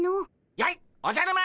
やいおじゃる丸！